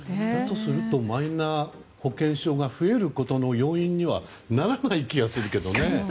だとするとマイナ保険証が増えることの要因にはならない気がするけどね。